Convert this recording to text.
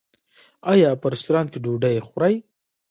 ایا په رستورانت کې ډوډۍ خورئ؟